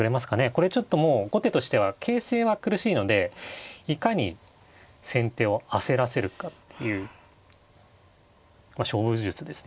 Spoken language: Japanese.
これちょっともう後手としては形勢は苦しいのでいかに先手を焦らせるかっていうまあ勝負術ですね。